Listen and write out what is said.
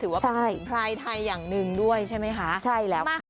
ถือว่าปรายไทยอย่างหนึ่งด้วยใช่ไหมคะ